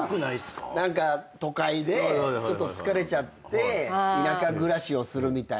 都会でちょっと疲れちゃって田舎暮らしをするみたいな。